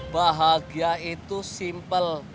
bahagia itu simpel